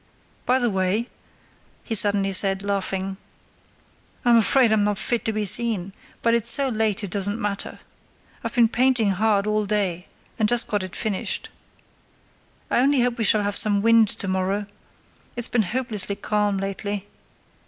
"By the way," he suddenly said, laughing, "I'm afraid I'm not fit to be seen; but it's so late it doesn't matter. I've been painting hard all day, and just got it finished. I only hope we shall have some wind to morrow—it's been hopelessly calm lately.